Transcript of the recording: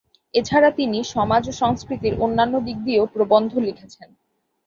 এছাড়া তিনি সমাজ ও সংস্কৃতির অন্যান্য দিক নিয়েও প্রবন্ধ লিখেছেন।